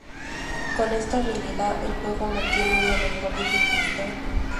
Con esta habilidad el juego mantiene una mejor dificultad.